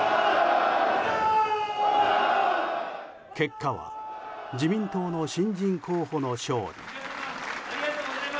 結果は自民党の新人候補の勝利。